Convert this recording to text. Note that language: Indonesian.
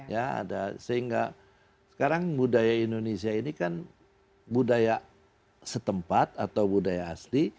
ya ada sehingga sekarang budaya indonesia ini kan budaya setempat atau budaya asli